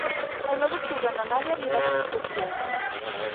El nou d'octubre na Nàdia anirà d'excursió.